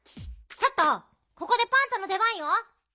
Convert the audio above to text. ちょっとここでパンタの出ばんよ。